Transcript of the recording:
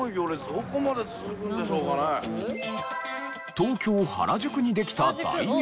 東京原宿にできた大行列。